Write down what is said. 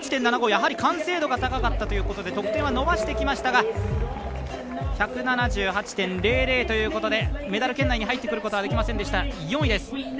やはり完成度が高かったということで得点は伸ばしてきましたが１７８．００ということでメダル圏内に入ってくることはできませんでした、４位です。